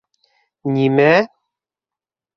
Нимә?